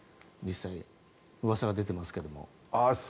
実際、うわさが出てますけども。